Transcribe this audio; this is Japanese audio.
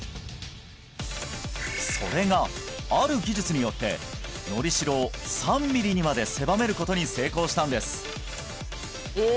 それがある技術によってのりしろを３ミリにまで狭めることに成功したんですえ